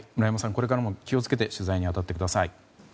これからも気を付けて取材に当たってください。